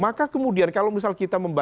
maka kemudian kalau misal kita membaca